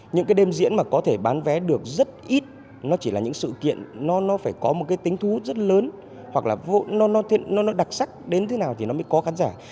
những đêm diễn mà có thể bán vé được rất ít nó chỉ là những sự kiện nó phải có một tính thú rất lớn hoặc là nó đặc sắc đến thế nào thì nó mới có khán giả